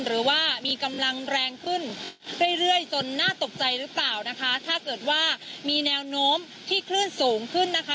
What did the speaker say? หรือว่ามีกำลังแรงขึ้นเรื่อยเรื่อยจนน่าตกใจหรือเปล่านะคะถ้าเกิดว่ามีแนวโน้มที่คลื่นสูงขึ้นนะคะ